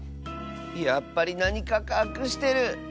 やっぱりなにかかくしてる。